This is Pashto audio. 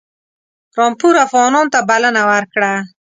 رامپور افغانانو ته بلنه ورکړه.